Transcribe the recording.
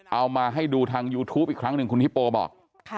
เอามาให้ดูทางยูทูปอีกครั้งหนึ่งคุณฮิปโปบอก